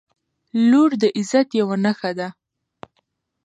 • لور د عزت یوه نښه ده.